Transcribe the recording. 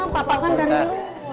papa kan dari luar